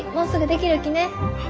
はい。